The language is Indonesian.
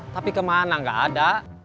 tapi kemana gak ada